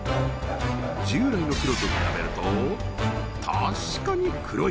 従来の黒と比べると確かに黒い！